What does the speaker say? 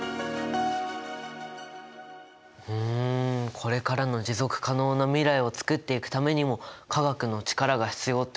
ふんこれからの持続可能な未来をつくっていくためにも化学の力が必要ってことですね。